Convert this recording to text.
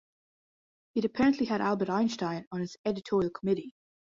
It apparently had Albert Einstein on its editorial committee.